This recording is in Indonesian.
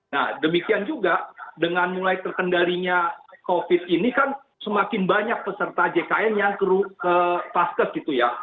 nah demikian juga dengan mulai terkendalinya covid ini kan semakin banyak peserta jkn yang ke paskes gitu ya